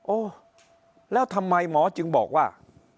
โอ้แล้วทำไมหมอจึงบอกว่า